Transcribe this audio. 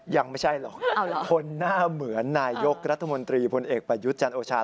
ยังไม่ใช่หรอกคนหน้าเหมือนนายกรัฐมนตรีพลเอกประยุทธ์จันทร์โอชา